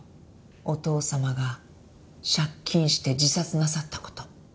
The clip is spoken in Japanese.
お父様が借金して自殺なさった事。